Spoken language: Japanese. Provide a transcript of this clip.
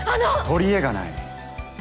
取り柄がない？